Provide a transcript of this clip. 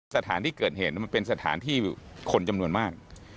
สถานที่เกิดเหตุมันเป็นสถานที่คนจำนวนมาก